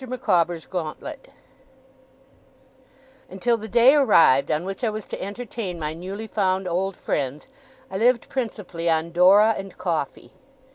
MICAWBER'S GAUNTLET Until the day arrived on which I was to entertain my newly found old friends, I lived principally on Dora and coffee.